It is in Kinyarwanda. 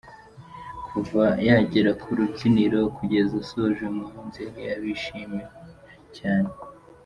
Kuva yagera ku rubyiniro kugeza asoje, uyu muhanzi yari bishimiwe cyane.